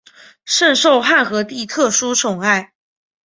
甚受汉和帝特殊宠爱。